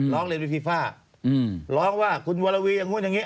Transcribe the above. ร้องเรียนไปฟีฟ่าร้องว่าคุณวรวีอย่างนู้นอย่างนี้